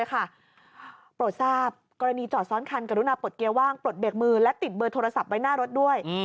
กับรุณาปลดเกียร์ว่างปลดเบรกมือและติดเบอร์โทรศัพท์ไว้หน้ารถด้วย